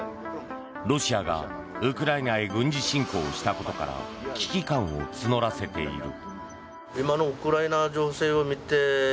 ロシアがウクライナへ軍事侵攻したことから危機感を募らせている。